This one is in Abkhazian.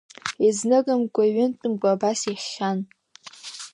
Изныкымкәа-иҩынтәымкәа абас ихьхьан.